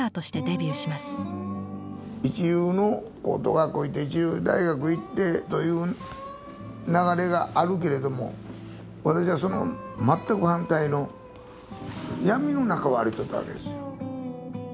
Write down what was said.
一流の高等学校行って一流大学行ってという流れがあるけれども私はその全く反対の闇の中を歩いとったわけですよ。